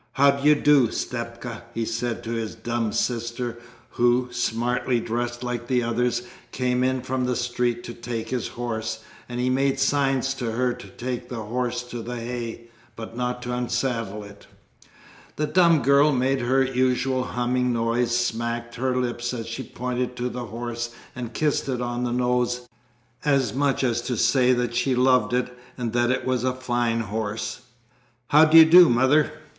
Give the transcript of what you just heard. "How d'you do, Stepka?" he said to his dumb sister, who, smartly dressed like the others, came in from the street to take his horse; and he made signs to her to take the horse to the hay, but not to unsaddle it. The dumb girl made her usual humming noise, smacked her lips as she pointed to the horse and kissed it on the nose, as much as to say that she loved it and that it was a fine horse. "How d'you do. Mother?